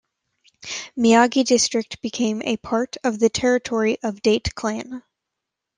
Miyagi District became a part of the territory of Date clan.